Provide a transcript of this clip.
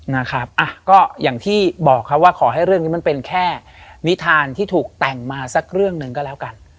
นะครับอ่ะก็อย่างที่บอกครับว่าขอให้เรื่องนี้มันเป็นแค่นิทานที่ถูกแต่งมาสักเรื่องหนึ่งก็แล้วกัน